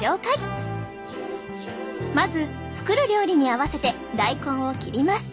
まず作る料理に合わせて大根を切ります。